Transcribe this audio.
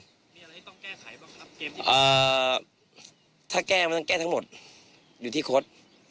มีอะไรที่ต้องแก้ไขบ้างครับเกมนี้ถ้าแก้ไม่ต้องแก้ทั้งหมดอยู่ที่คด